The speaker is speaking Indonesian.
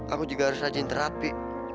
aku juga harus rajin terapi